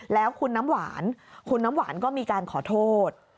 แล้วคุณน้ำหวานก็มีการขอโทษ